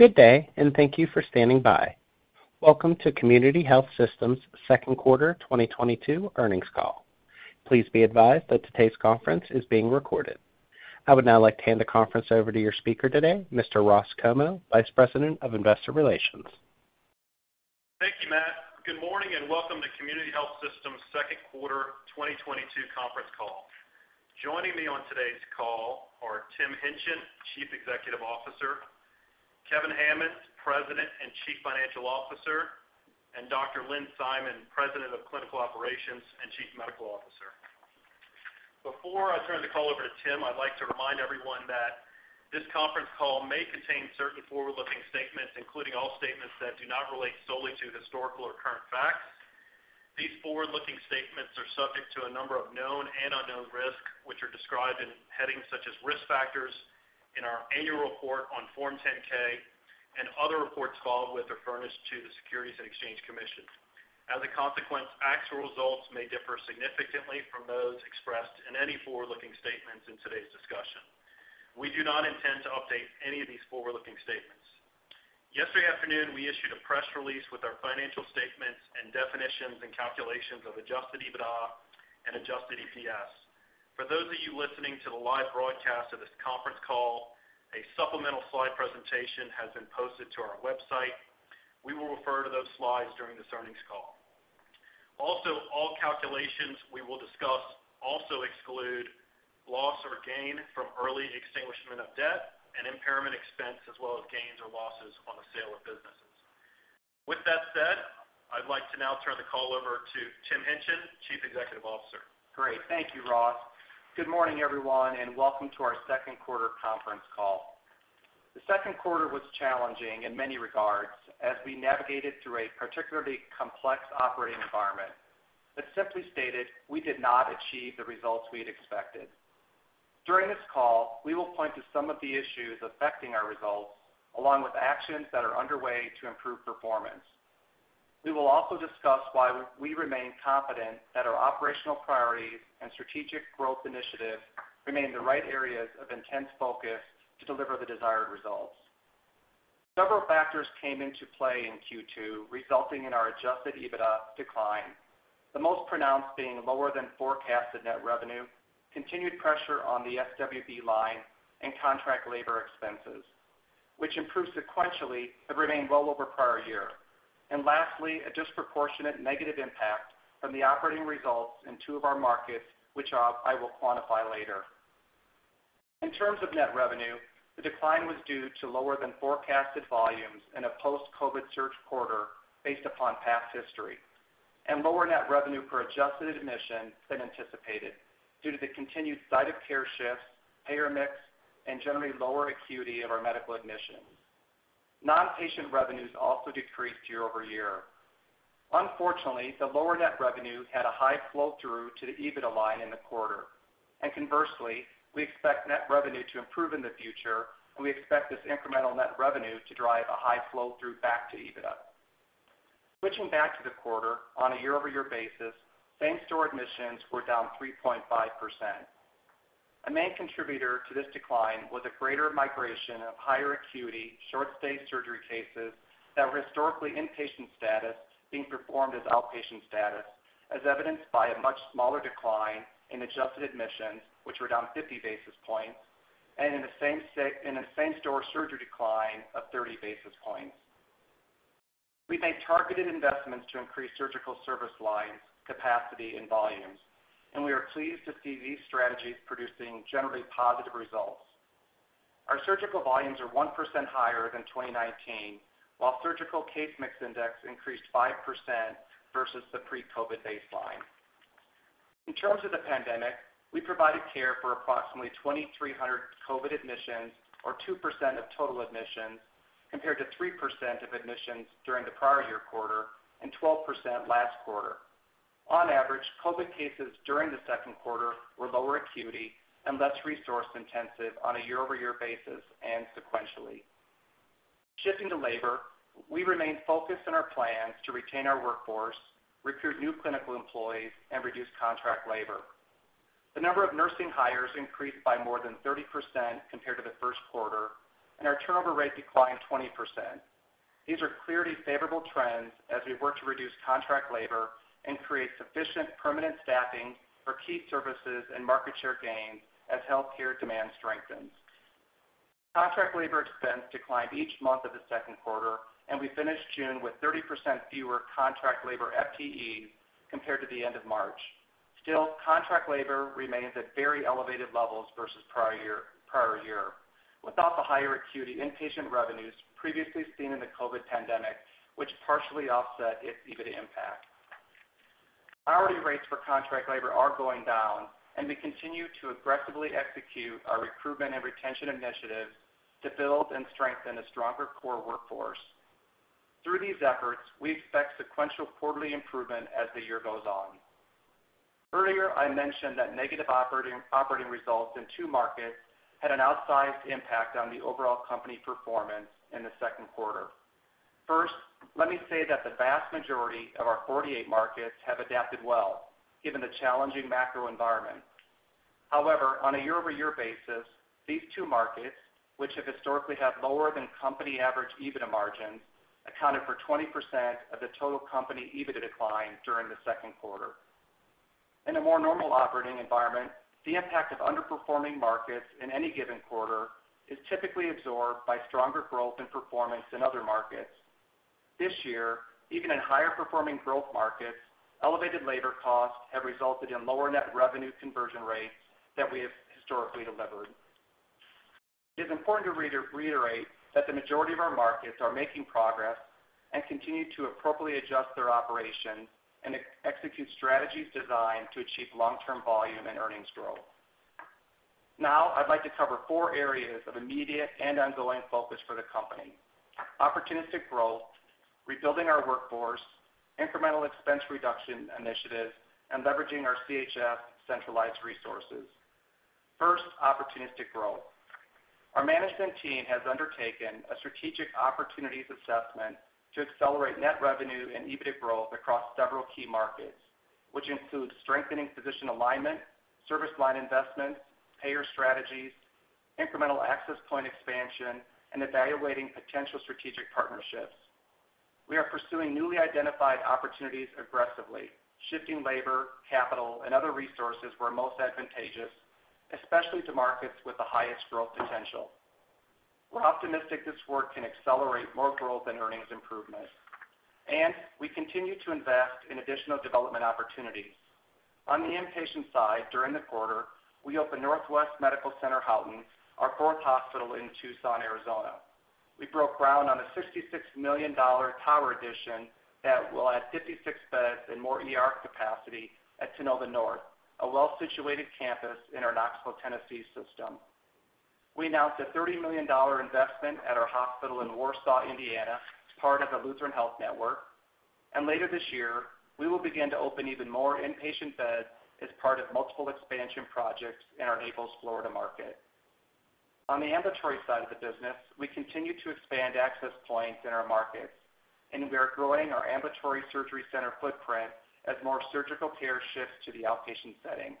Good day, and thank you for standing by. Welcome to Community Health Systems' second quarter 2022 earnings call. Please be advised that today's conference is being recorded. I would now like to hand the conference over to your speaker today, Mr. Ross Comeaux, Vice President of Investor Relations. Thank you, Matt. Good morning, and welcome to Community Health Systems' second quarter 2022 conference call. Joining me on today's call are Tim Hingtgen, Chief Executive Officer, Kevin Hammons, President and Chief Financial Officer, and Dr. Lynn Simon, President of Clinical Operations and Chief Medical Officer. Before I turn the call over to Tim, I'd like to remind everyone that this conference call may contain certain forward-looking statements, including all statements that do not relate solely to historical or current facts. These forward-looking statements are subject to a number of known and unknown risks, which are described in headings such as Risk Factors in our annual report on Form 10-K and other reports filed with or furnished to the Securities and Exchange Commission. As a consequence, actual results may differ significantly from those expressed in any forward-looking statements in today's discussion. We do not intend to update any of these forward-looking statements. Yesterday afternoon, we issued a press release with our financial statements and definitions and calculations of Adjusted EBITDA and Adjusted EPS. For those of you listening to the live broadcast of this conference call, a supplemental slide presentation has been posted to our website. We will refer to those slides during this earnings call. Also, all calculations we will discuss also exclude loss or gain from early extinguishment of debt and impairment expense, as well as gains or losses on the sale of businesses. With that said, I'd like to now turn the call over to Tim Hingtgen, Chief Executive Officer. Great. Thank you, Ross. Good morning, everyone, and welcome to our second quarter conference call. The second quarter was challenging in many regards as we navigated through a particularly complex operating environment, but simply stated, we did not achieve the results we had expected. During this call, we will point to some of the issues affecting our results, along with actions that are underway to improve performance. We will also discuss why we remain confident that our operational priorities and strategic growth initiatives remain the right areas of intense focus to deliver the desired results. Several factors came into play in Q2, resulting in our adjusted EBITDA decline, the most pronounced being lower than forecasted net revenue, continued pressure on the SWB line and contract labor expenses, which improved sequentially have remained well over prior year, and lastly, a disproportionate negative impact from the operating results in two of our markets, which I will quantify later. In terms of net revenue, the decline was due to lower than forecasted volumes in a post-COVID surge quarter based upon past history, and lower net revenue per adjusted admission than anticipated due to the continued site of care shifts, payer mix, and generally lower acuity of our medical admissions. Non-patient revenues also decreased year-over-year. Unfortunately, the lower net revenue had a high flow-through to the EBITDA line in the quarter. Conversely, we expect net revenue to improve in the future, and we expect this incremental net revenue to drive a high flow-through back to EBITDA. Switching back to the quarter on a year-over-year basis, same-store admissions were down 3.5%. A main contributor to this decline was a greater migration of higher acuity, short-stay surgery cases that were historically inpatient status being performed as outpatient status, as evidenced by a much smaller decline in adjusted admissions, which were down 50 basis points, and a same-store surgery decline of 30 basis points. We made targeted investments to increase surgical service lines, capacity and volumes, and we are pleased to see these strategies producing generally positive results. Our surgical volumes are 1% higher than 2019, while surgical Case Mix Index increased 5% versus the pre-COVID baseline. In terms of the pandemic, we provided care for approximately 2,300 COVID admissions or 2% of total admissions, compared to 3% of admissions during the prior year quarter and 12% last quarter. On average, COVID cases during the second quarter were lower acuity and less resource-intensive on a year-over-year basis and sequentially. Shifting to labor, we remain focused on our plans to retain our workforce, recruit new clinical employees, and reduce contract labor. The number of nursing hires increased by more than 30% compared to the first quarter, and our turnover rate declined 20%. These are clearly favorable trends as we work to reduce contract labor and create sufficient permanent staffing for key services and market share gains as healthcare demand strengthens. Contract labor expense declined each month of the second quarter, and we finished June with 30% fewer contract labor FTEs compared to the end of March. Still, contract labor remains at very elevated levels versus prior year without the higher acuity inpatient revenues previously seen in the COVID pandemic, which partially offset its EBITDA impact. Priority rates for contract labor are going down, and we continue to aggressively execute our recruitment and retention initiatives to build and strengthen a stronger core workforce. Through these efforts, we expect sequential quarterly improvement as the year goes on. Earlier, I mentioned that negative operating results in two markets had an outsized impact on the overall company performance in the second quarter. First, let me say that the vast majority of our 48 markets have adapted well given the challenging macro environment. However, on a year-over-year basis, these two markets, which have historically had lower than company average EBITDA margins, accounted for 20% of the total company EBITDA decline during the second quarter. In a more normal operating environment, the impact of underperforming markets in any given quarter is typically absorbed by stronger growth and performance in other markets. This year, even in higher performing growth markets, elevated labor costs have resulted in lower net revenue conversion rates than we have historically delivered. It is important to reiterate that the majority of our markets are making progress and continue to appropriately adjust their operations and execute strategies designed to achieve long-term volume and earnings growth. Now, I'd like to cover four areas of immediate and ongoing focus for the company, opportunistic growth, rebuilding our workforce, incremental expense reduction initiatives, and leveraging our CHS centralized resources. First, opportunistic growth. Our management team has undertaken a strategic opportunities assessment to accelerate net revenue and EBIT growth across several key markets, which include strengthening physician alignment, service line investments, payer strategies, incremental access point expansion, and evaluating potential strategic partnerships. We are pursuing newly identified opportunities aggressively, shifting labor, capital, and other resources where most advantageous, especially to markets with the highest growth potential. We're optimistic this work can accelerate more growth and earnings improvement, and we continue to invest in additional development opportunities. On the inpatient side, during the quarter, we opened Northwest Medical Center Houghton, our fourth hospital in Tucson, Arizona. We broke ground on a $66 million tower addition that will add 56 beds and more ER capacity at Tennova North, a well-situated campus in our Knoxville, Tennessee system. We announced a $30 million investment at our hospital in Warsaw, Indiana, as part of the Lutheran Health Network. Later this year, we will begin to open even more inpatient beds as part of multiple expansion projects in our Naples, Florida market. On the ambulatory side of the business, we continue to expand access points in our markets, and we are growing our ambulatory surgery center footprint as more surgical care shifts to the outpatient setting.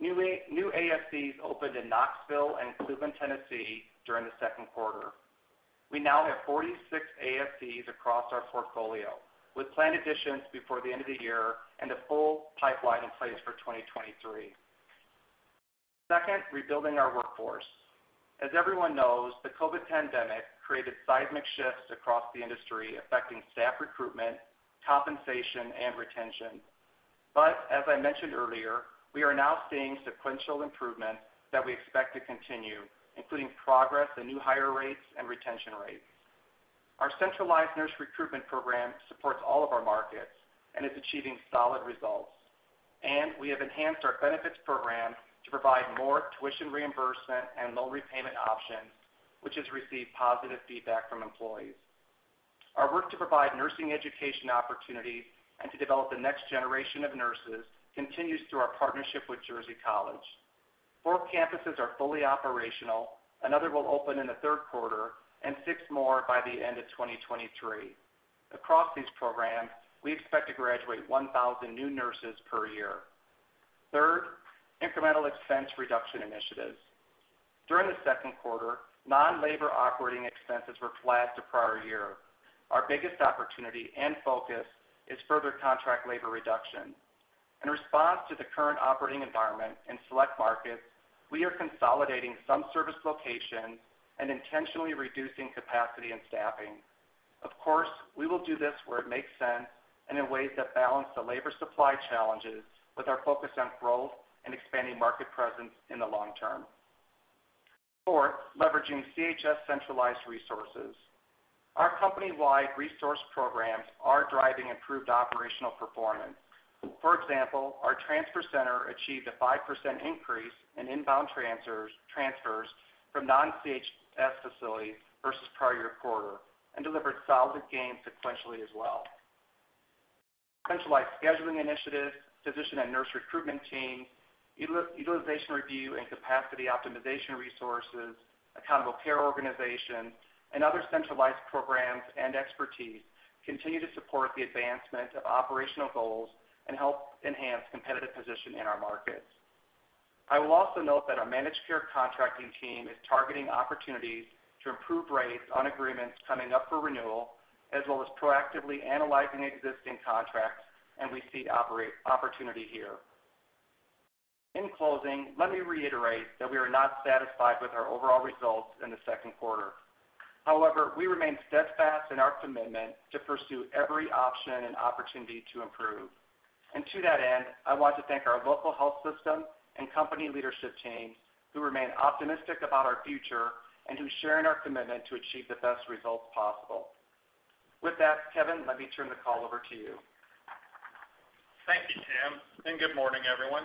New ASCs opened in Knoxville and Cleveland, Tennessee during the second quarter. We now have 46 ASCs across our portfolio, with planned additions before the end of the year and a full pipeline in place for 2023. Second, rebuilding our workforce. As everyone knows, the COVID pandemic created seismic shifts across the industry, affecting staff recruitment, compensation, and retention. As I mentioned earlier, we are now seeing sequential improvement that we expect to continue, including progress in new hire rates and retention rates. Our centralized nurse recruitment program supports all of our markets and is achieving solid results. We have enhanced our benefits program to provide more tuition reimbursement and loan repayment options, which has received positive feedback from employees. Our work to provide nursing education opportunities and to develop the next generation of nurses continues through our partnership with Jersey College. Four campuses are fully operational, another will open in the third quarter, and six more by the end of 2023. Across these programs, we expect to graduate 1,000 new nurses per year. Third, incremental expense reduction initiatives. During the second quarter, non-labor operating expenses were flat to prior year. Our biggest opportunity and focus is further contract labor reduction. In response to the current operating environment in select markets, we are consolidating some service locations and intentionally reducing capacity and staffing. Of course, we will do this where it makes sense and in ways that balance the labor supply challenges with our focus on growth and expanding market presence in the long term. Fourth, leveraging CHS centralized resources. Our company-wide resource programs are driving improved operational performance. For example, our transfer center achieved a 5% increase in inbound transfers from non-CHS facilities versus prior year quarter and delivered solid gains sequentially as well. Centralized scheduling initiatives, physician and nurse recruitment teams, utilization review and capacity optimization resources, accountable care organizations, and other centralized programs and expertise continue to support the advancement of operational goals and help enhance competitive position in our markets. I will also note that our managed care contracting team is targeting opportunities to improve rates on agreements coming up for renewal, as well as proactively analyzing existing contracts, and we see opportunity here. In closing, let me reiterate that we are not satisfied with our overall results in the second quarter. However, we remain steadfast in our commitment to pursue every option and opportunity to improve. To that end, I want to thank our local health system and company leadership teams who remain optimistic about our future and who share in our commitment to achieve the best results possible. With that, Kevin, let me turn the call over to you. Thank you, Tim, and good morning, everyone.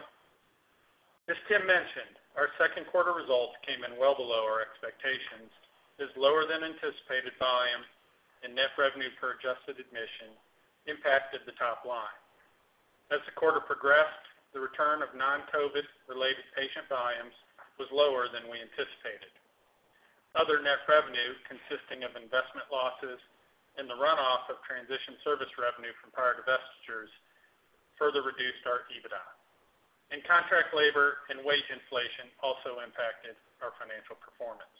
As Tim mentioned, our second quarter results came in well below our expectations, as lower than anticipated volume and net revenue per adjusted admission impacted the top line. As the quarter progressed, the return of non-COVID related patient volumes was lower than we anticipated. Other net revenue, consisting of investment losses and the runoff of transition service revenue from prior divestitures, further reduced our EBITDA. Contract labor and wage inflation also impacted our financial performance.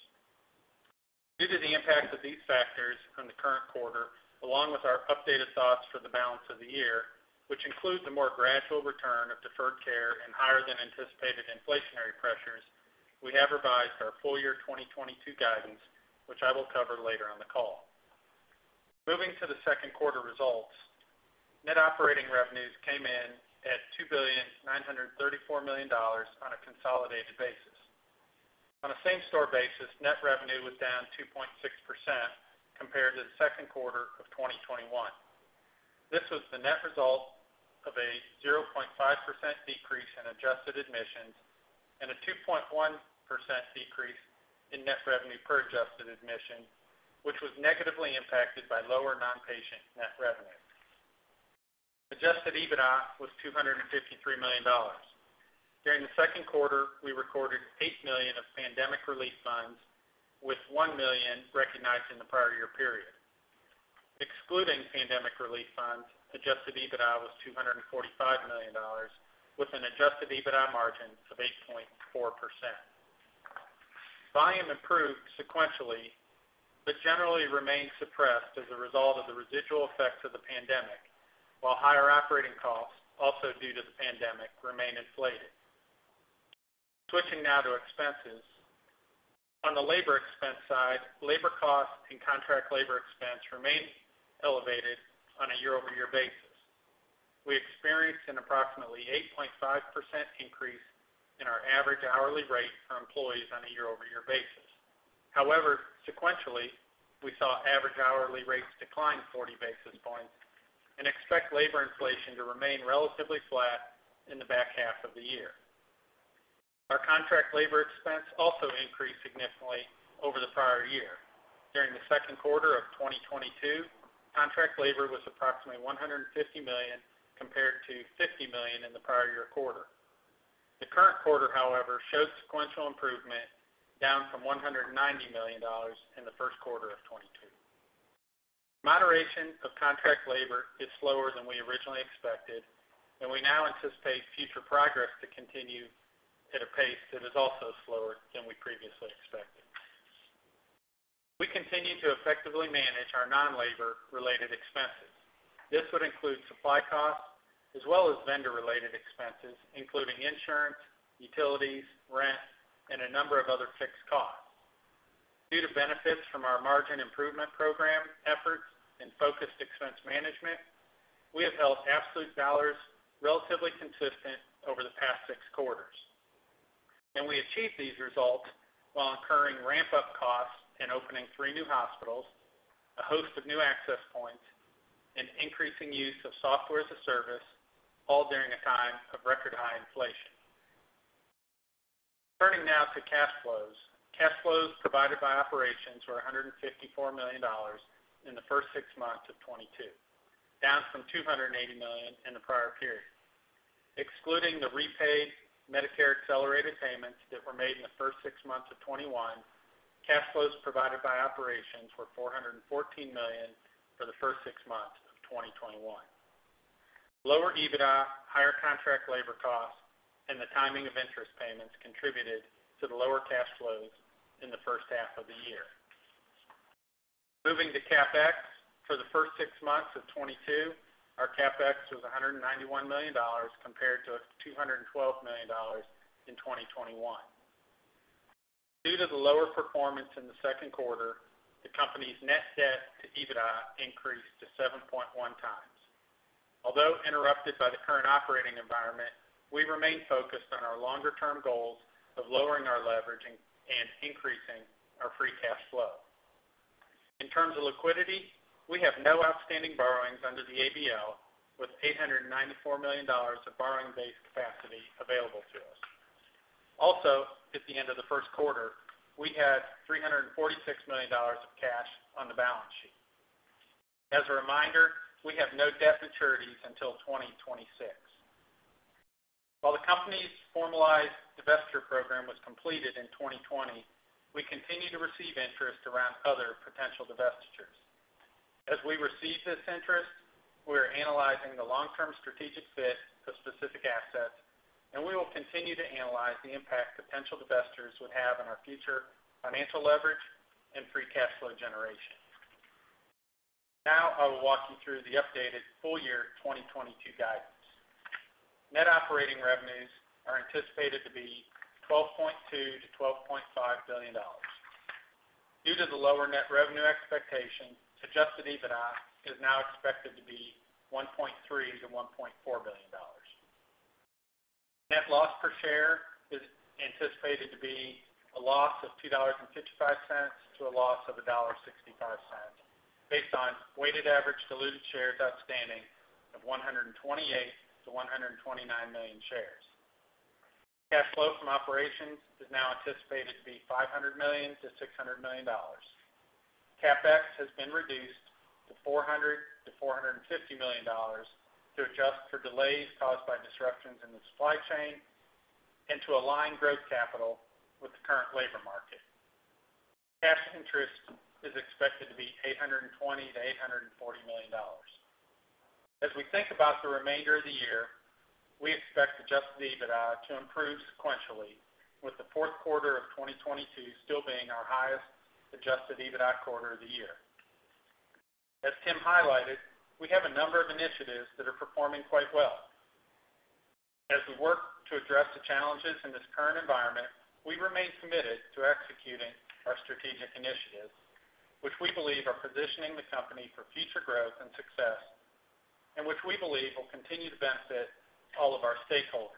Due to the impact of these factors on the current quarter, along with our updated thoughts for the balance of the year, which includes a more gradual return of deferred care and higher than anticipated inflationary pressures, we have revised our full year 2022 guidance, which I will cover later on the call. Moving to the second quarter results, net operating revenues came in at $2.934 billion on a consolidated basis. On a same-store basis, net revenue was down 2.6% compared to the second quarter of 2021. This was the net result of a 0.5% decrease in adjusted admissions and a 2.1% decrease in net revenue per adjusted admission, which was negatively impacted by lower non-patient net revenue. Adjusted EBITDA was $253 million. During the second quarter, we recorded $8 million of pandemic relief funds, with $1 million recognized in the prior year period. Excluding pandemic relief funds, Adjusted EBITDA was $245 million, with an Adjusted EBITDA margin of 8.4%. Volume improved sequentially, but generally remained suppressed as a result of the residual effects of the pandemic, while higher operating costs, also due to the pandemic, remain inflated. Switching now to expenses. On the labor expense side, labor costs and contract labor expense remain elevated on a year-over-year basis. We experienced an approximately 8.5% increase in our average hourly rate for employees on a year-over-year basis. However, sequentially, we saw average hourly rates decline 40 basis points and expect labor inflation to remain relatively flat in the back half of the year. Our contract labor expense also increased significantly over the prior year. During the second quarter of 2022, contract labor was approximately $150 million, compared to $50 million in the prior year quarter. The current quarter, however, showed sequential improvement down from $190 million in the first quarter of 2022. Moderation of contract labor is slower than we originally expected, and we now anticipate future progress to continue at a pace that is also slower than we previously expected. We continue to effectively manage our non-labor related expenses. This would include supply costs as well as vendor-related expenses, including insurance, utilities, rent, and a number of other fixed costs. Due to benefits from our margin improvement program efforts and focused expense management, we have held absolute dollars relatively consistent over the past six quarters, and we achieved these results while incurring ramp-up costs and opening three new hospitals, a host of new access points, and increasing use of software as a service, all during a time of record high inflation. Turning now to cash flows. Cash flows provided by operations were $154 million in the first six months of 2022, down from $280 million in the prior period. Excluding the repaid Medicare accelerated payments that were made in the first six months of 2021, cash flows provided by operations were $414 million for the first six months of 2021. Lower EBITDA, higher contract labor costs, and the timing of interest payments contributed to the lower cash flows in the first half of the year. Moving to CapEx. For the first six months of 2022, our CapEx was $191 million compared to $212 million in 2021. Due to the lower performance in the second quarter, the company's net debt to EBITDA increased to 7.1x. Although interrupted by the current operating environment, we remain focused on our longer term goals of lowering our leverage and increasing our free cash flow. In terms of liquidity, we have no outstanding borrowings under the ABL, with $894 million of borrowing base capacity available to us. Also, at the end of the first quarter, we had $346 million of cash on the balance sheet. As a reminder, we have no debt maturities until 2026. While the company's formalized divestiture program was completed in 2020, we continue to receive interest around other potential divestitures. As we receive this interest, we are analyzing the long-term strategic fit of specific assets, and we will continue to analyze the impact potential divestitures would have on our future financial leverage and free cash flow generation. Now I will walk you through the updated full year 2022 guidance. Net operating revenues are anticipated to be $12.2 billion-$12.5 billion. Due to the lower net revenue expectations, Adjusted EBITDA is now expected to be $1.3 billion-$1.4 billion. Net loss per share is anticipated to be a loss of $2.55 to a loss of $1.65, based on weighted average diluted shares outstanding of 128-129 million shares. Cash flow from operations is now anticipated to be $500 million-$600 million. CapEx has been reduced to $400-$450 million to adjust for delays caused by disruptions in the supply chain and to align growth capital with the current labor market. Cash interest is expected to be $820 million-$840 million. As we think about the remainder of the year, we expect Adjusted EBITDA to improve sequentially, with the fourth quarter of 2022 still being our highest Adjusted EBITDA quarter of the year. As Tim highlighted, we have a number of initiatives that are performing quite well. As we work to address the challenges in this current environment, we remain committed to executing our strategic initiatives, which we believe are positioning the company for future growth and success, and which we believe will continue to benefit all of our stakeholders.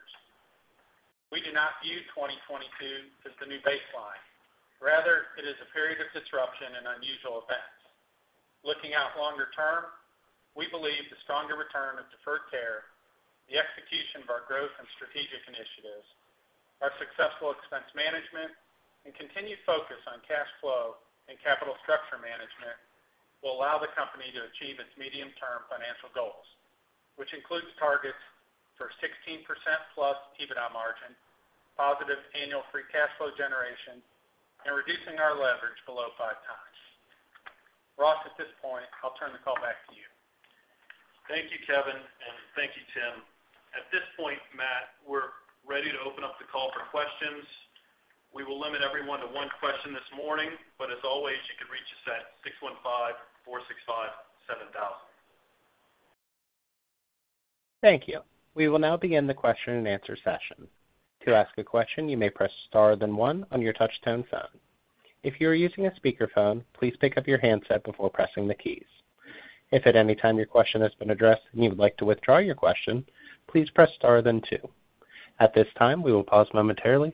We do not view 2022 as the new baseline. Rather, it is a period of disruption and unusual events. Looking out longer term, we believe the stronger return of deferred care, the execution of our growth and strategic initiatives, our successful expense management, and continued focus on cash flow and capital structure management will allow the company to achieve its medium-term financial goals, which includes targets for 16%+ EBITDA margin, positive annual free cash flow generation, and reducing our leverage below 5x. Ross, at this point, I'll turn the call back to you. Thank you, Kevin, and thank you, Tim. At this point, Matt, we're ready to open up the call for questions. We will limit everyone to one question this morning, but as always, you can reach us at 615-465-7000. Thank you. We will now begin the question-and-answer session. To ask a question, you may press star then one on your touchtone phone. If you are using a speakerphone, please pick up your handset before pressing the keys. If at any time your question has been addressed and you would like to withdraw your question, please press star then two. At this time, we will pause momentarily.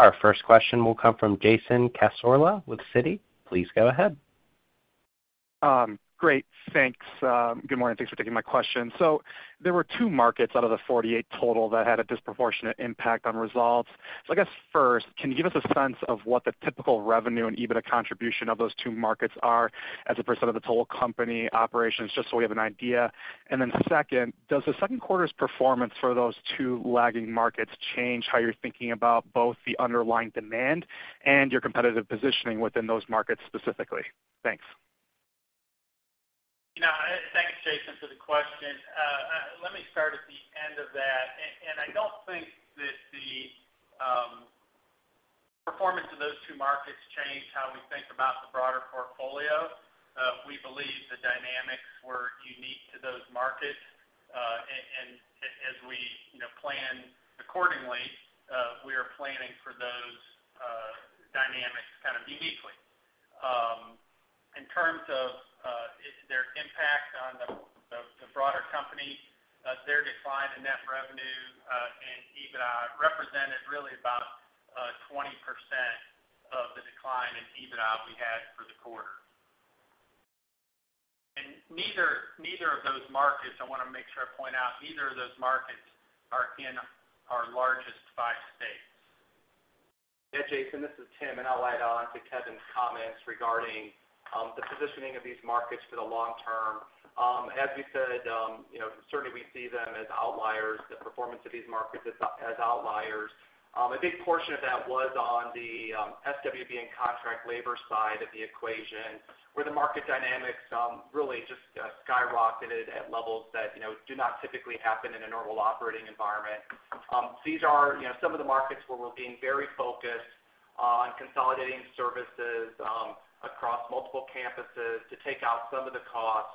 Our first question will come from Jason Cassorla with Citi. Please go ahead. Great. Thanks. Good morning. Thanks for taking my question. There were two markets out of the 48 total that had a disproportionate impact on results. I guess first, can you give us a sense of what the typical revenue and EBITDA contribution of those two markets are as a percentage of the total company operations, just so we have an idea? Then second, does the second quarter's performance for those two lagging markets change how you're thinking about both the underlying demand and your competitive positioning within those markets specifically? Thanks. You know, thanks, Jason, for the question. Let me start at the end of that. I don't think that the performance of those two markets change how we think about the broader portfolio. We believe the dynamics were unique to those markets. As we, you know, plan accordingly, we are planning for those dynamics kind of uniquely. In terms of their impact on the broader company, their decline in net revenue and EBITDA represented really about 20% of the decline in EBITDA we had for the quarter. Neither of those markets, I wanna make sure I point out, are in our largest five states. Yeah, Jason, this is Tim, and I'll add on to Kevin's comments regarding the positioning of these markets for the long term. As you said, you know, certainly we see them as outliers, the performance of these markets as outliers. A big portion of that was on the SWB and contract labor side of the equation, where the market dynamics really just skyrocketed at levels that, you know, do not typically happen in a normal operating environment. These are, you know, some of the markets where we're being very focused on consolidating services across multiple campuses to take out some of the costs,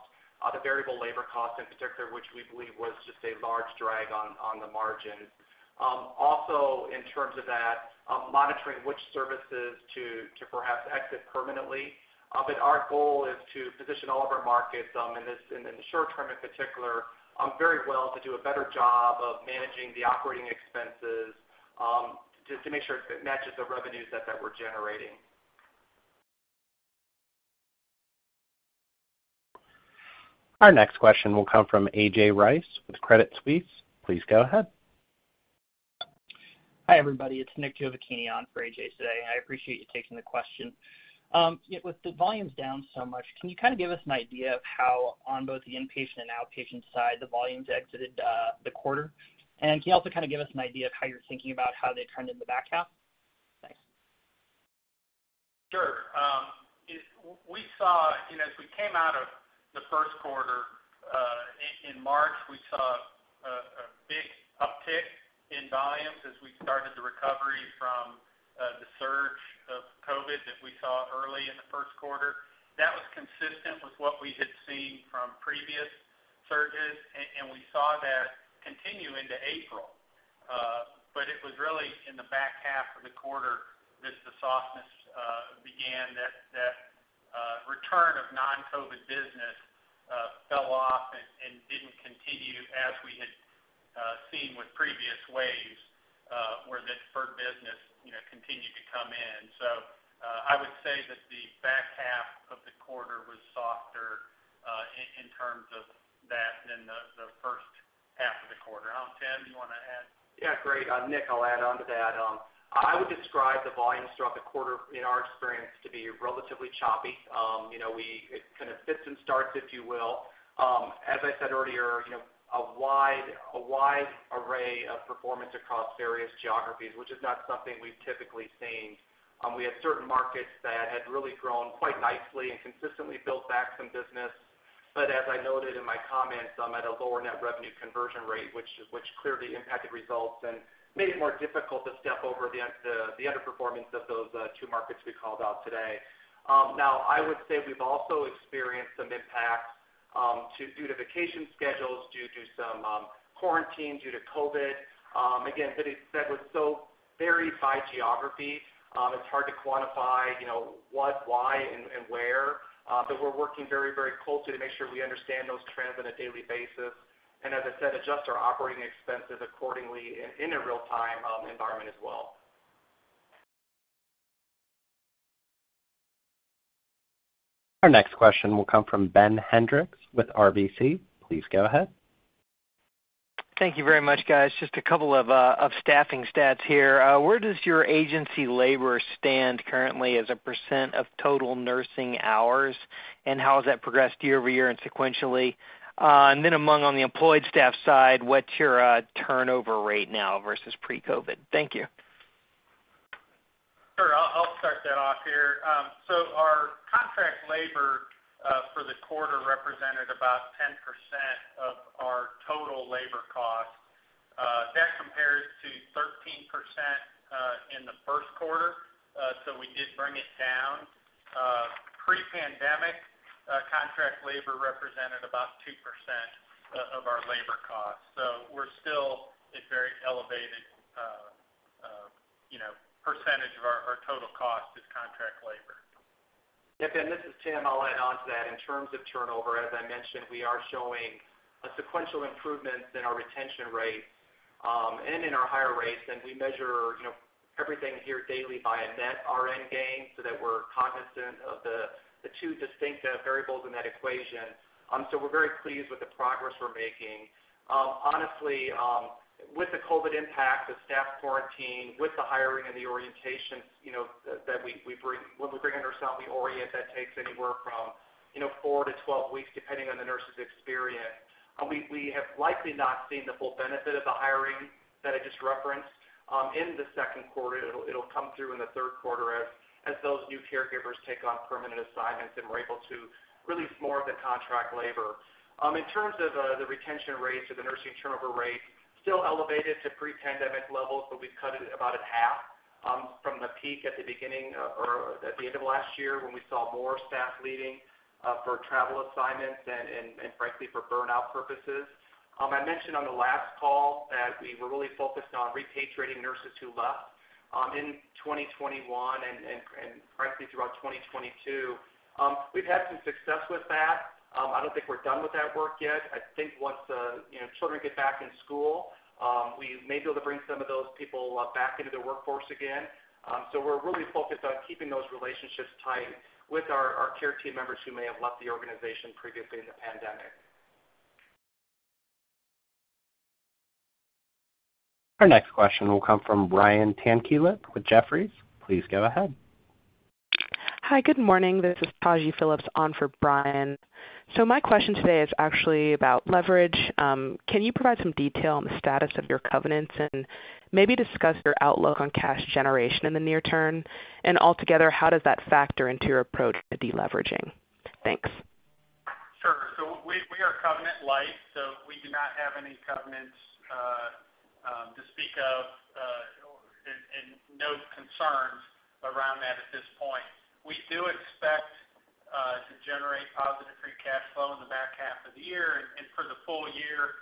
the variable labor costs in particular, which we believe was just a large drag on the margins. Also in terms of that, monitoring which services to perhaps exit permanently. Our goal is to position all of our markets in this, in the short term in particular, very well to do a better job of managing the operating expenses, to make sure it matches the revenues that we're generating. Our next question will come from A.J. Rice with Credit Suisse. Please go ahead. Hi, everybody. It's Nick Giovacchini on for A.J. today, and I appreciate you taking the question. Yeah, with the volumes down so much, can you kind of give us an idea of how on both the inpatient and outpatient side, the volumes exited the quarter? And can you also kind of give us an idea of how you're thinking about how they trend in the back half? Thanks. Sure. We saw, you know, as we came out of the first quarter, in March, we saw a big uptick in volumes as we started the recovery from the surge of COVID that we saw early in the first quarter. That was consistent with what we had seen from previous surges, and we saw that continue into April. It was really in the back half of the quarter that the softness began, that return of non-COVID business. As we had seen with previous waves, where the deferred business, you know, continued to come in. I would say that the back half of the quarter was softer, in terms of that than the first half of the quarter. I don't know, Tim, you wanna add? Yeah, great. Nick, I'll add onto that. I would describe the volumes throughout the quarter in our experience to be relatively choppy. You know, it kind of fits and starts, if you will. As I said earlier, you know, a wide array of performance across various geographies, which is not something we've typically seen. We had certain markets that had really grown quite nicely and consistently built back some business. As I noted in my comments, at a lower net revenue conversion rate, which clearly impacted results and made it more difficult to step over the underperformance of those two markets we called out today. Now I would say we've also experienced some impacts due to vacation schedules, due to some quarantine, due to COVID. Again, as I said, was so varied by geography, it's hard to quantify, you know, what, why, and where. But we're working very, very closely to make sure we understand those trends on a daily basis. As I said, adjust our operating expenses accordingly in a real-time environment as well. Our next question will come from Ben Hendrix with RBC. Please go ahead. Thank you very much, guys. Just a couple of staffing stats here. Where does your agency labor stand currently as a percent of total nursing hours, and how has that progressed year-over-year and sequentially? On the employed staff side, what's your turnover rate now versus pre-COVID? Thank you. I'll start that off here. Our contract labor for the quarter represented about 10% of our total labor cost. That compares to 13% in the first quarter. We did bring it down. Pre-pandemic, contract labor represented about 2% of our labor costs. We're still a very elevated, you know, percentage of our total cost is contract labor. Yeah, Ben, this is Tim. I'll add on to that. In terms of turnover, as I mentioned, we are showing a sequential improvement in our retention rate and in our hire rates. We measure, you know, everything here daily by a net RN gain so that we're cognizant of the two distinct variables in that equation. We're very pleased with the progress we're making. Honestly, with the COVID impact, the staff quarantine, with the hiring and the orientations, you know, that we bring in our staff, we orient, that takes anywhere from four-12 weeks, depending on the nurse's experience. We have likely not seen the full benefit of the hiring that I just referenced in the second quarter. It'll come through in the third quarter as those new caregivers take on permanent assignments, and we're able to release more of the contract labor. In terms of the retention rates or the nursing turnover rate, still elevated to pre-pandemic levels, but we've cut it about in half from the peak at the end of last year when we saw more staff leaving for travel assignments and frankly for burnout purposes. I mentioned on the last call that we were really focused on repatriating nurses who left in 2021 and frankly throughout 2022. We've had some success with that. I don't think we're done with that work yet. I think once you know children get back in school, we may be able to bring some of those people back into the workforce again. We're really focused on keeping those relationships tight with our care team members who may have left the organization previously in the pandemic. Our next question will come from Brian Tanquilut with Jefferies. Please go ahead. Hi. Good morning. This is Taji Phillips on for Brian. My question today is actually about leverage. Can you provide some detail on the status of your covenants and maybe discuss your outlook on cash generation in the near term? Altogether, how does that factor into your approach to deleveraging? Thanks. Sure. We are covenant light, so we do not have any covenants to speak of, and no concerns around that at this point. We do expect to generate positive free cash flow in the back half of the year. For the full year,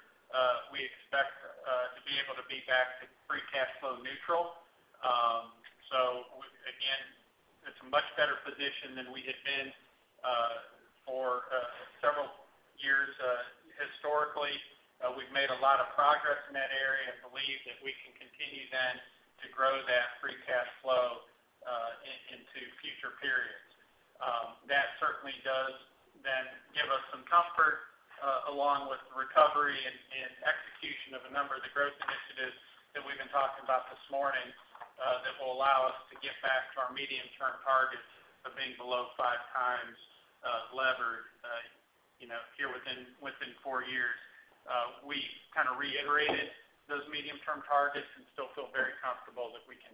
we expect to be able to be back to free cash flow neutral. Again, it's a much better position than we had been for several years historically. We've made a lot of progress in that area and believe that we can continue then to grow that free cash flow into future periods. That certainly does then give us some comfort, along with the recovery and execution of a number of the growth initiatives that we've been talking about this morning, that will allow us to get back to our medium-term targets of being below 5x levered, you know, here within four years. We've kind of reiterated those medium-term targets and still feel very comfortable that we can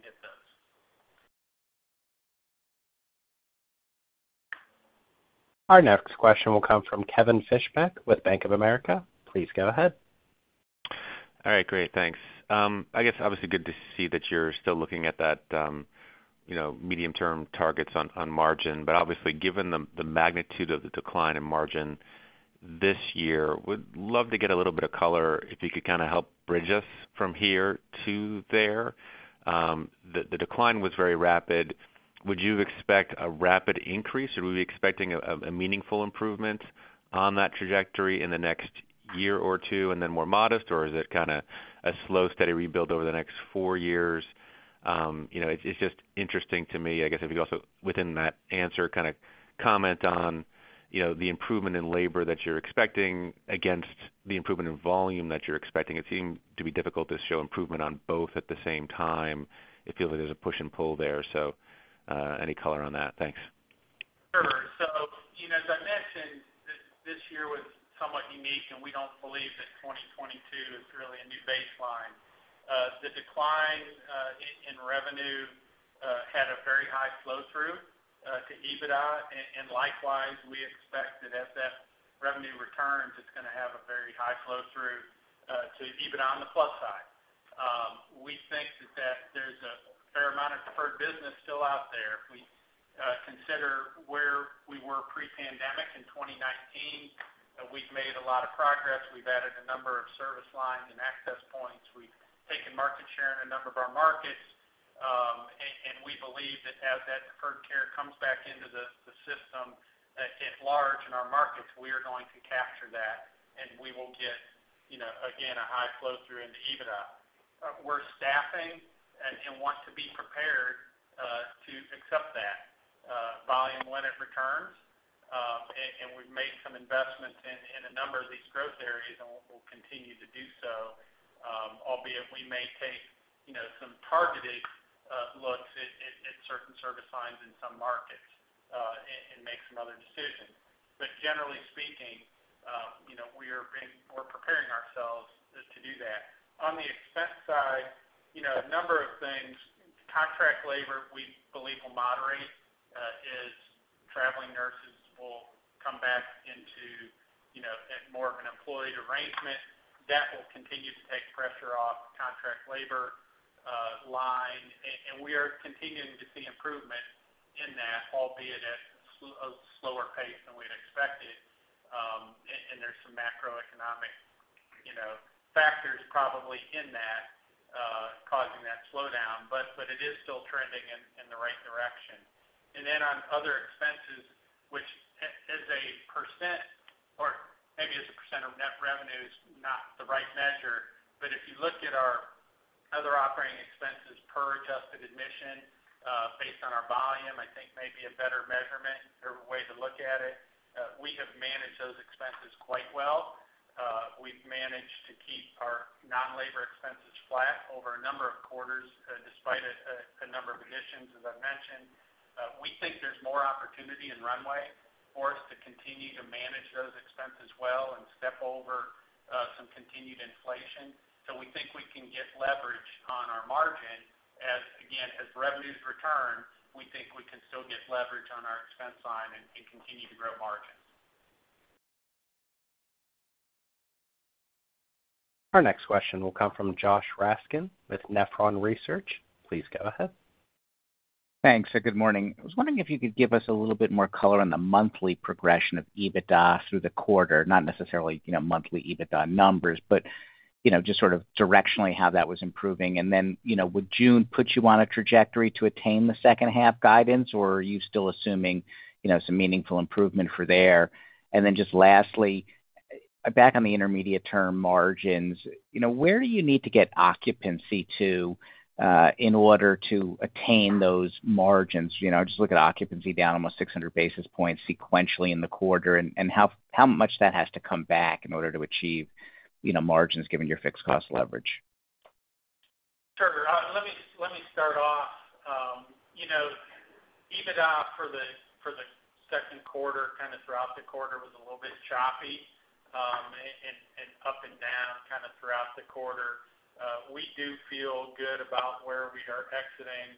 hit those. Our next question will come from Kevin Fischbeck with Bank of America. Please go ahead. All right. Great. Thanks. I guess obviously good to see that you're still looking at that, you know, medium-term targets on margin. Obviously, given the magnitude of the decline in margin this year, would love to get a little bit of color if you could kind of help bridge us from here to there. The decline was very rapid. Would you expect a rapid increase? Are we expecting a meaningful improvement on that trajectory in the next year or two, and then more modest? Is it kinda a slow, steady rebuild over the next four years? You know, it's just interesting to me, I guess, if you could also, within that answer, kind of comment on, you know, the improvement in labor that you're expecting against the improvement in volume that you're expecting. It seemed to be difficult to show improvement on both at the same time. It feels like there's a push and pull there. Any color on that? Thanks. Sure. You know, as I mentioned, this year was somewhat unique, and we don't believe that 2022 is really a new baseline. The decline in revenue had a very high flow through to EBITDA. Likewise, we expect that as that revenue returns, it's gonna have a very high flow through to EBITDA on the plus side. We think that there's a fair amount of deferred business still out there. If we consider where we were pre-pandemic in 2019, we've made a lot of progress. We've added a number of service lines and access points. We've taken market share in a number of our markets. We believe that as that deferred care comes back into the system at large in our markets, we are going to capture that, and we will get, you know, again, a high flow through into EBITDA. We're staffing and want to be prepared to accept that volume when it returns. We've made some investments in a number of these growth areas, and we'll continue to do so. Albeit we may take, you know, some targeted looks at certain service lines in some markets, and make some other decisions. Generally speaking, you know, we're preparing ourselves to do that. On the expense side, you know, a number of things. Contract labor, we believe will moderate, as traveling nurses will come back into, you know, at more of an employed arrangement. That will continue to take pressure off the contract labor line. We are continuing to see improvement in that, albeit at a slower pace than we'd expected. There's some macroeconomic, you know, factors probably in that, causing that slowdown, but it is still trending in the right direction. Then on other expenses, which as a percent or maybe as a percent of net revenue is not the right measure, but if you look at our other operating expenses per adjusted admission, based on our volume, I think may be a better measurement or way to look at it. We have managed those expenses quite well. We've managed to keep our non-labor expenses flat over a number of quarters, despite a number of admissions, as I've mentioned. We think there's more opportunity and runway for us to continue to manage those expenses well and step over some continued inflation. We think we can get leverage on our margin as, again, as revenues return. We think we can still get leverage on our expense line and continue to grow margins. Our next question will come from Josh Raskin with Nephron Research. Please go ahead. Thanks, good morning. I was wondering if you could give us a little bit more color on the monthly progression of EBITDA through the quarter. Not necessarily, you know, monthly EBITDA numbers, but, you know, just sort of directionally how that was improving. Then, you know, would June put you on a trajectory to attain the second half guidance, or are you still assuming, you know, some meaningful improvement for there? Then just lastly, back on the intermediate term margins, you know, where do you need to get occupancy to in order to attain those margins? You know, I just look at occupancy down almost 600 basis points sequentially in the quarter, and how much that has to come back in order to achieve, you know, margins given your fixed cost leverage. Sure. Let me start off. You know, EBITDA for the second quarter, kinda throughout the quarter was a little bit choppy, and up and down kinda throughout the quarter. We do feel good about where we are exiting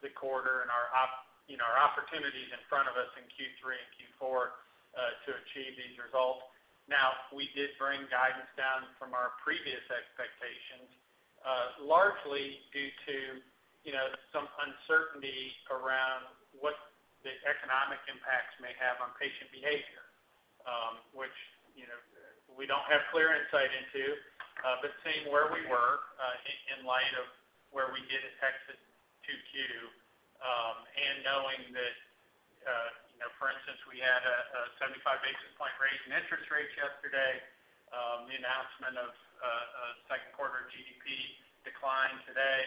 the quarter and our opportunities in front of us in Q3 and Q4 to achieve these results. Now, we did bring guidance down from our previous expectations, largely due to some uncertainty around what the economic impacts may have on patient behavior, which we don't have clear insight into. Seeing where we were, in light of where we did exit 2Q, and knowing that, you know, for instance, we had a 75 basis point raise in interest rates yesterday, the announcement of second quarter GDP decline today,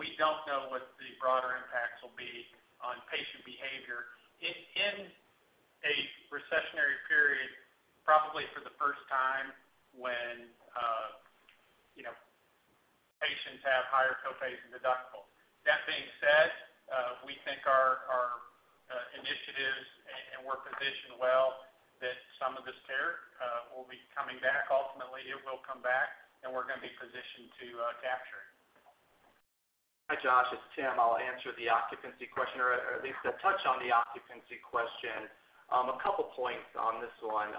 we don't know what the broader impacts will be on patient behavior in a recessionary period, probably for the first time when you know patients have higher co-pays and deductibles. That being said, we think our initiatives and we're positioned well that some of this care will be coming back. Ultimately, it will come back, and we're gonna be positioned to capture it. Hi, Josh. It's Tim. I'll answer the occupancy question, or at least touch on the occupancy question. A couple points on this one.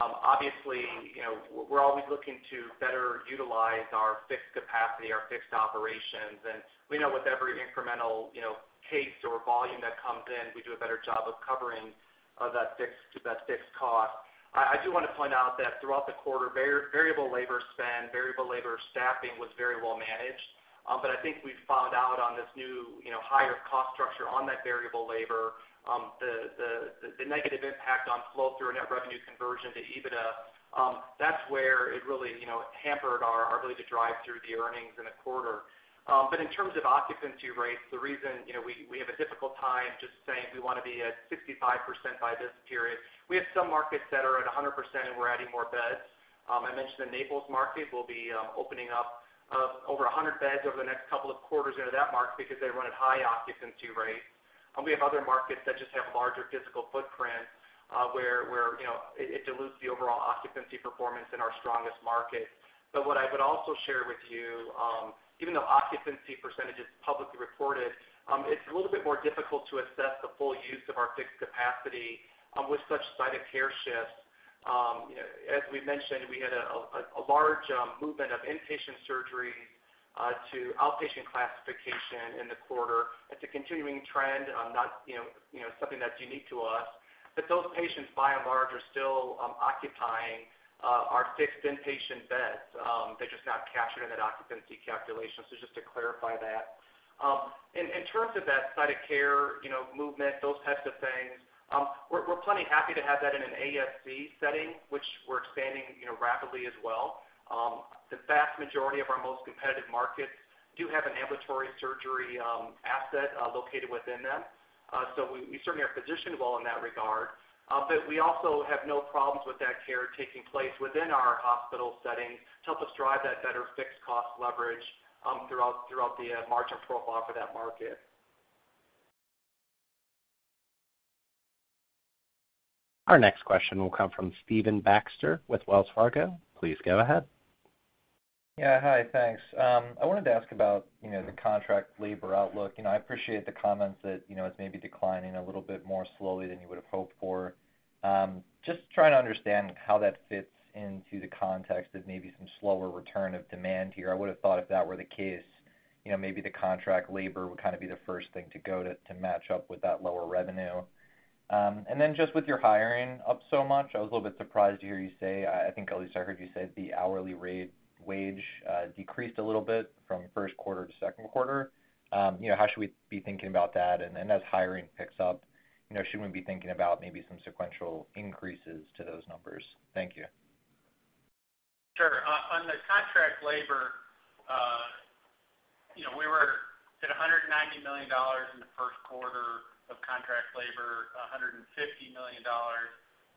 Obviously, you know, we're always looking to better utilize our fixed capacity, our fixed operations. We know with every incremental, you know, case or volume that comes in, we do a better job of covering that fixed cost. I do wanna point out that throughout the quarter, variable labor spend, variable labor staffing was very well managed. I think we found out on this new, you know, higher cost structure on that variable labor, the negative impact on flow through our net revenue conversion to EBITDA, that's where it really, you know, hampered our ability to drive through the earnings in a quarter. In terms of occupancy rates, the reason, you know, we have a difficult time just saying we wanna be at 65% by this period, we have some markets that are at 100% and we're adding more beds. I mentioned the Naples market, we'll be opening up over 100 beds over the next couple of quarters into that market because they run at high occupancy rates. We have other markets that just have larger physical footprint, where, you know, it dilutes the overall occupancy performance in our strongest markets. What I would also share with you, even though occupancy percentage is publicly reported, it's a little bit more difficult to assess the full use of our fixed capacity, with such site of care shifts. As we mentioned, we had a large movement of inpatient surgery to outpatient classification in the quarter. It's a continuing trend, not you know, something that's unique to us. Those patients, by and large, are still occupying our fixed inpatient beds. They're just not captured in that occupancy calculation. Just to clarify that. In terms of that site of care you know, movement, those types of things, we're plenty happy to have that in an ASC setting, which we're expanding you know, rapidly as well. The vast majority of our most competitive markets do have an ambulatory surgery asset located within them. We certainly are positioned well in that regard. We also have no problems with that care taking place within our hospital setting to help us drive that better fixed cost leverage throughout the margin profile for that market. Our next question will come from Stephen Baxter with Wells Fargo. Please go ahead. Yeah. Hi. Thanks. I wanted to ask about, you know, the contract labor outlook. You know, I appreciate the comments that, you know, it's maybe declining a little bit more slowly than you would've hoped for. Just trying to understand how that fits into the context of maybe some slower return of demand here. I would've thought if that were the case, you know, maybe the contract labor would kinda be the first thing to go to match up with that lower revenue. And then just with your hiring up so much, I was a little bit surprised to hear you say, I think at least I heard you say the hourly rate wage decreased a little bit from first quarter to second quarter. You know, how should we be thinking about that? As hiring picks up, you know, should we be thinking about maybe some sequential increases to those numbers? Thank you. Sure. On the contract labor, you know, we were at $190 million in the first quarter of contract labor, $150 million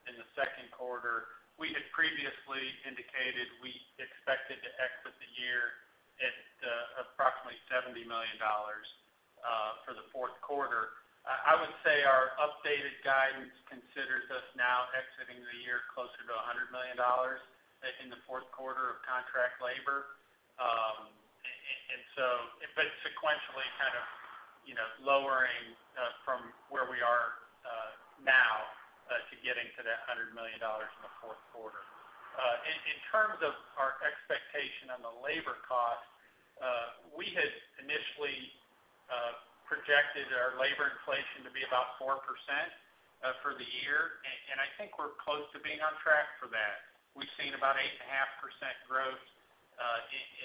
in the second quarter. We had previously indicated we expected to exit the year at approximately $70 million for the fourth quarter. I would say our updated guidance considers us now exiting the year closer to $100 million in the fourth quarter of contract labor. Sequentially kind of, you know, lowering from where we are now to getting to that $100 million in the fourth quarter. In terms of our expectation on the labor cost, we had initially projected our labor inflation to be about 4% for the year, and I think we're close to being on track for that. We've seen about 8.5% growth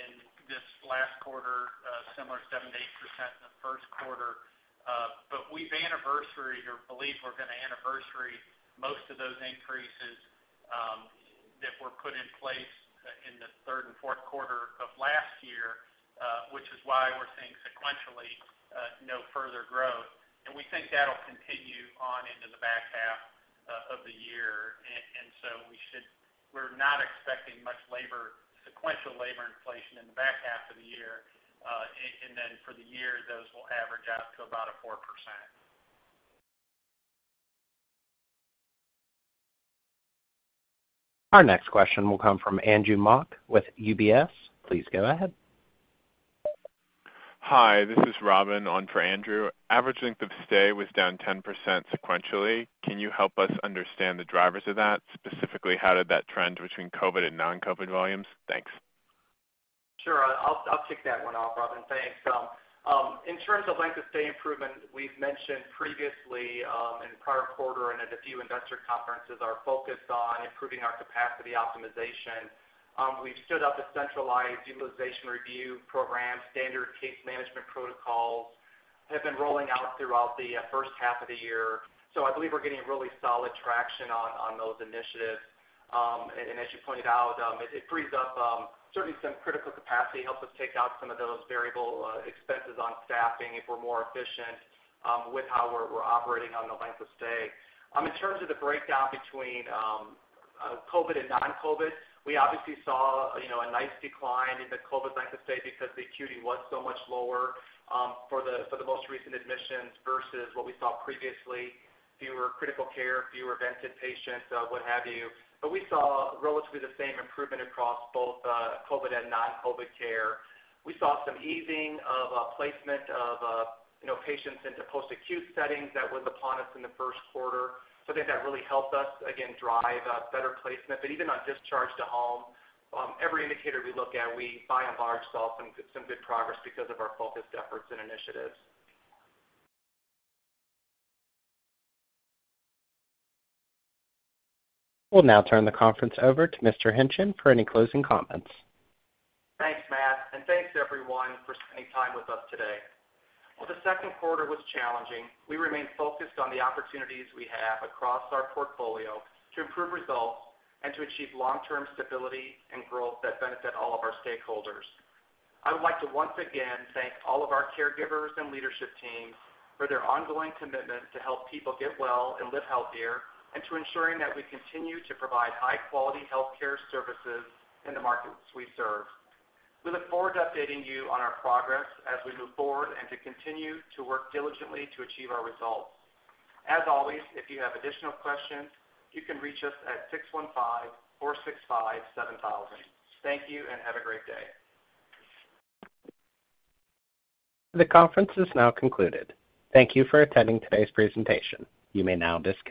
in this last quarter, similar 7%-8% in the first quarter. We've anniversaried or believe we're gonna anniversary most of those increases that were put in place in the third and fourth quarter of last year, which is why we're seeing sequentially no further growth. We think that'll continue on into the back half of the year. We're not expecting much labor sequential labor inflation in the back half of the year. For the year, those will average out to about a 4%. Our next question will come from Andrew Mok with UBS. Please go ahead. Hi, this is Robin on for Andrew. Average length of stay was down 10% sequentially. Can you help us understand the drivers of that? Specifically, how did that trend between COVID and non-COVID volumes? Thanks. Sure. I'll kick that one off, Robin. Thanks. In terms of length of stay improvement, we've mentioned previously in the prior quarter and at a few investor conferences we're focused on improving our capacity optimization. We've stood up a centralized utilization review program. Standard case management protocols have been rolling out throughout the first half of the year. I believe we're getting really solid traction on those initiatives. And as you pointed out, it frees up certainly some critical capacity, helps us take out some of those variable expenses on staffing if we're more efficient with how we're operating on the length of stay. In terms of the breakdown between COVID and non-COVID, we obviously saw, you know, a nice decline in the COVID length of stay because the acuity was so much lower for the most recent admissions versus what we saw previously, fewer critical care, fewer vented patients, what have you. We saw relatively the same improvement across both COVID and non-COVID care. We saw some easing of placement of, you know, patients into post-acute settings that was upon us in the first quarter, so I think that really helped us, again, drive better placement. But even on discharge to home, every indicator we look at, we by and large saw some good progress because of our focused efforts and initiatives. We'll now turn the conference over to Mr. Hingtgen for any closing comments. Thanks, Matt, and thanks everyone for spending time with us today. While the second quarter was challenging, we remain focused on the opportunities we have across our portfolio to improve results and to achieve long-term stability and growth that benefit all of our stakeholders. I would like to once again thank all of our caregivers and leadership teams for their ongoing commitment to help people get well and live healthier, and to ensuring that we continue to provide high quality healthcare services in the markets we serve. We look forward to updating you on our progress as we move forward and to continue to work diligently to achieve our results. As always, if you have additional questions, you can reach us at 615-465-7000. Thank you, and have a great day. The conference is now concluded. Thank you for attending today's presentation. You may now disconnect.